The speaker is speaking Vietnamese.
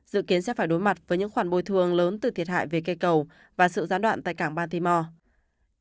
dự kiến sẽ phải đối mặt với những khoản bồi thường lớn từ thiệt hại về cây cầu và sự gián đoạn tại cảng batimore